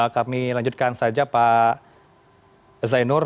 kami lanjutkan saja pak zainur